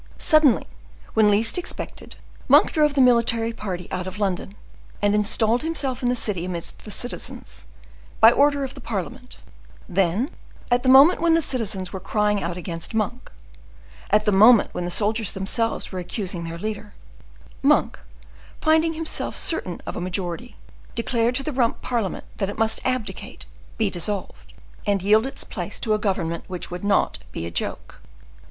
Suddenly, when least expected, Monk drove the military party out of London, and installed himself in the city amidst the citizens, by order of the parliament; then, at the moment when the citizens were crying out against Monk—at the moment when the soldiers themselves were accusing their leader—Monk, finding himself certain of a majority, declared to the Rump Parliament that it must abdicate—be dissolved—and yield its place to a government which would not be a joke.